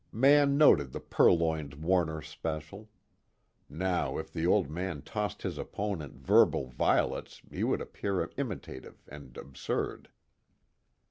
Mann noted the purloined Warner special. Now if the Old Man tossed his opponent verbal violets he would appear imitative and absurd.